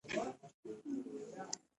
منی د افغانستان د جغرافیوي تنوع مثال دی.